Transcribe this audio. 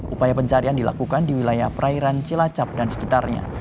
upaya pencarian dilakukan di wilayah perairan cilacap dan sekitarnya